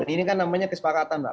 ini kan namanya kesepakatan mbak